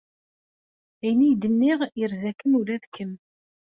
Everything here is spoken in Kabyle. Ayen ay d-nniɣ yerza-kem ula d kemm.